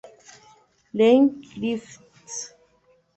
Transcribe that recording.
Leigh Griffiths